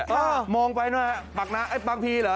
อ้าวมองไปนั่นแหละปากนะบางพีเหรอ